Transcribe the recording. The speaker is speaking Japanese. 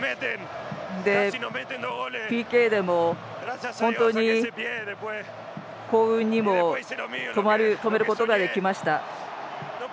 ＰＫでも、本当に幸運にも止めることができました。